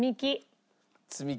積み木。